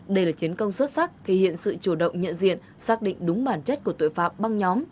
đây là chiến công xuất sắc thể hiện sự chủ động nhận diện xác định đúng bản chất của tội phạm băng nhóm